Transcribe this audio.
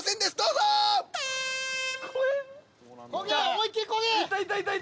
思いっきりこげ！